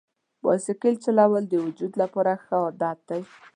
بایسکل چلول د وجود لپاره ښه عادت دی.